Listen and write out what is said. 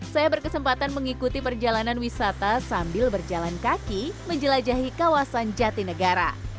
saya berkesempatan mengikuti perjalanan wisata sambil berjalan kaki menjelajahi kawasan jatinegara